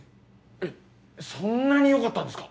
えっそんなによかったんですか？